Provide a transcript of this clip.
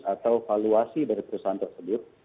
atau valuasi dari perusahaan tersebut